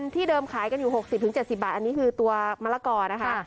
ที่เดิมขายกันอยู่หกสิบถึงเจ็ดสิบบาทอันนี้คือตัวมะละกอนะคะ